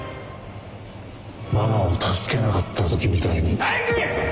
ママを助けなかった時みたいに。